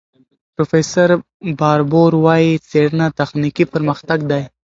پروفیسور باربور وايي، څېړنه تخنیکي پرمختګ دی.